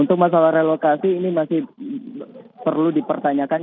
untuk masalah relokasi ini masih perlu dipertanyakan